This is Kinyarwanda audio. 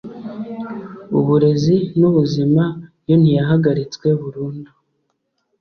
uburezi n’ ubuzima yo ntiyahagaritswe burundu